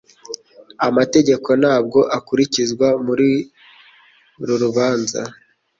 Amategeko ntabwo akurikizwa muri uru rubanza